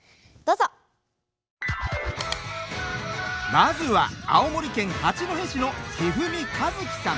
まずは青森県八戸市の一二三華月さん。